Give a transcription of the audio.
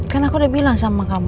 kan aku udah bilang sama kamu